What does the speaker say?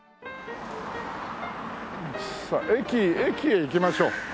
駅駅へ行きましょう。